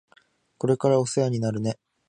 これからお世話になるね。